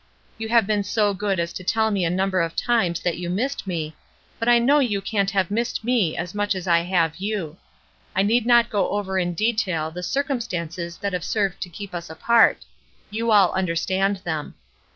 You have been so good as to tell me a number of times that you missed me, but I know you can't have missed me as much as I have you. I need not go over in detail the circumstances that have served to keep us apart; you all understand them.